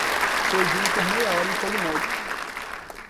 Cozinhe por meia hora em fogo médio.